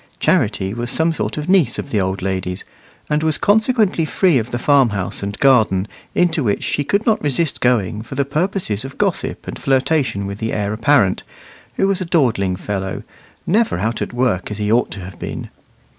Charity was some sort of niece of the old lady's, and was consequently free of the farmhouse and garden, into which she could not resist going for the purposes of gossip and flirtation with the heir apparent, who was a dawdling fellow, never out at work as he ought to have been.